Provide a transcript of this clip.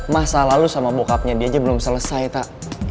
masalah lo sama bokapnya dia aja belum selesai tak